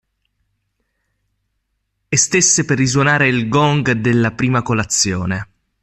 E stesse per risuonare il gong della prima colazione.